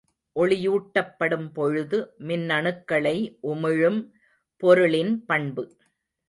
ஒளியூட்டப்படும்பொழுது மின்னணுக்களை உமிழும் பொருளின் பண்பு.